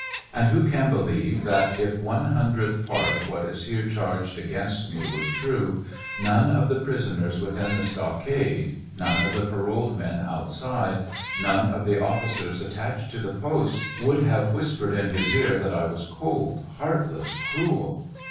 And who can believe that if one hundredth part of what is here charged against me were true, none of the prisoners within the stockade, none of tbe paroled men outside, none of the officers attached to the post, would have whis pered in his ear that I was cold, heartless, cruel